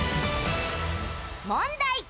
問題！